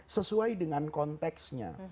sesuai dengan konteksnya